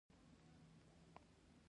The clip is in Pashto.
پاچا وويل: نيمه پاچاهي به ترې قربان کړم.